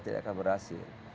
tidak akan berhasil